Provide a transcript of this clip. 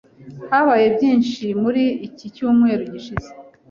Habaye byinshi muri iki cyumweru gishize.